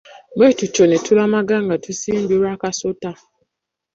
Bwe tutyo ne tulamaga nga tusimbye lwa kasota.